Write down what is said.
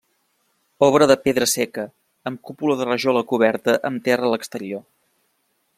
Obra de pedra seca, amb cúpula de rajola coberta amb terra a l'exterior.